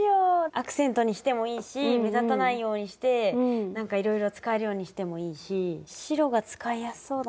アクセントにしてもいいし目立たないようにしてなんかいろいろ使えるようにしてもいいし白が使いやすそうだな。